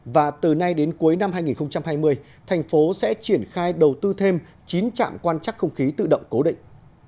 và từ nay đến cuối năm hai nghìn hai mươi thành phố sẽ triển khai đầu tư thêm chín trạm quan chắc không khí tự động cố định